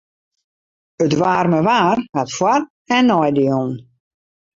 It waarme waar hat foar- en neidielen.